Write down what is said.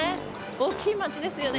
大きい町ですよね